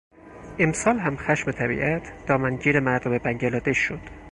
امسال هم خشم طبیعت، دامنگیر مردم بنگلادش شد.